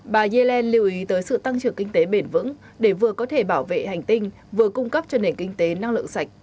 bà yellen lưu ý tới sự tăng trưởng kinh tế bền vững để vừa có thể bảo vệ hành tinh vừa cung cấp cho nền kinh tế năng lượng sạch